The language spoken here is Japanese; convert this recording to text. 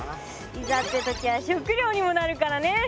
いざって時は食料にもなるからね。